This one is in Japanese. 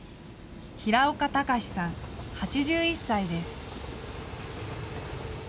平岡享史さん、８１歳です。